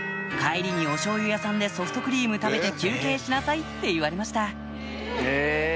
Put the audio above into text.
「帰りにおしょうゆ屋さんでソフトクリーム食べて休憩しなさい」って言われました